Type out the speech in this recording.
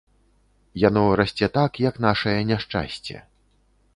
Яно расце так, як нашае няшчасце.